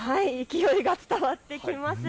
勢いが伝わってきます。